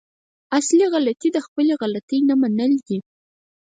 اصلي غلطي د خپلې غلطي نه منل دي.